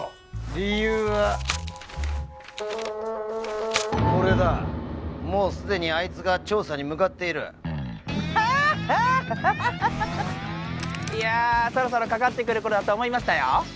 理由はこれだもう既にアイツが調査に向かっているハッハッアハハハいやそろそろかかってくる頃だと思いましたよ